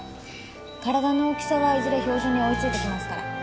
体の大きさはいずれ標準に追いついてきますよ